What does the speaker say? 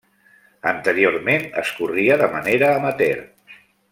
Anteriorment es corria de manera amateur.